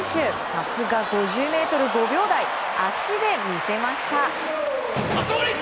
さすが５０ｍ５秒台足で見せました。